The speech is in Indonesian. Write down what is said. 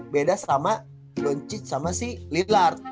beda sama bonchit sama si lillard